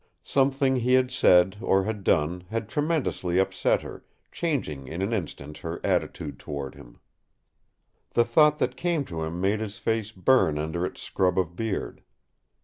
Something he had said, or had done, had tremendously upset her, changing in an instant her attitude toward him. The thought that came to him made his face burn under its scrub of beard.